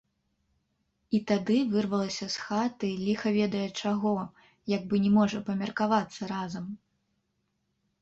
І тады вырвалася з хаты ліха ведае чаго, як бы не можа памеркавацца разам.